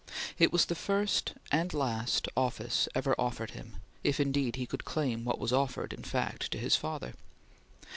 It was the first and last office ever offered him, if indeed he could claim what was offered in fact to his father.